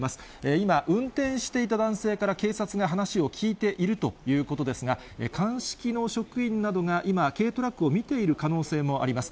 今、運転していた男性から警察が話を聴いているということですが、鑑識の職員などが今、軽トラックを見ている可能性もあります。